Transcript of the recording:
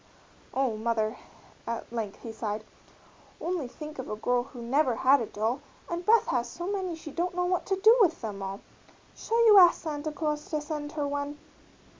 "Oh, mother," at length he sighed, "only think of a girl who never had a doll, and Beth has so many she don't know what to do with them all shall you ask Santa Claus to send her one?"